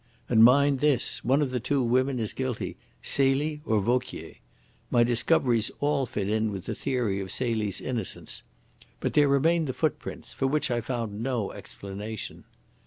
And, mind this, one of the two women is guilty Celie or Vauquier. My discoveries all fit in with the theory of Celie's innocence. But there remain the footprints, for which I found no explanation.